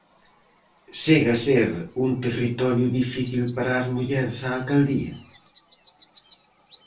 Segue a ser un territorio difícil para as mulleres a Alcaldía?